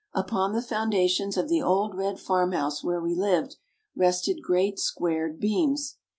Upon the foundations of the old red farmhouse where we lived, rested great squared beams.